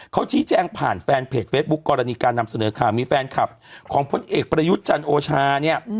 เขาชี้แจงผ่านแฟนเพจเฟซบุ๊คกรณีการนำเสนอข่าวมีแฟนคลับของพลเอกประยุทธ์จันโอชาเนี่ย